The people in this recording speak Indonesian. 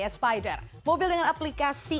spider mobil dengan aplikasi